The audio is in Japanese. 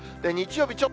日曜日